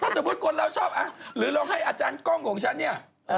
สมมุติคนเราชอบหรือเราให้อาจารย์กล้องของฉันเนี่ย